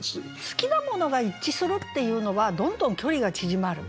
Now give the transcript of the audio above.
好きなものが一致するっていうのはどんどん距離が縮まる。